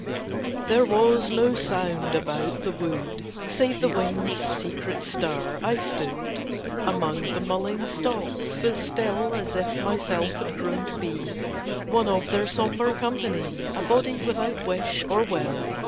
There was no sound about the wood Save the wind's secret stir. I stood Among the mullein stalks as still As if myself had grown to be One of their sombre company, A body without wish or will.